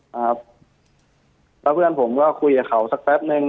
แล้วเพื่อนผมก็คุยกับเขาสักแป๊บนึง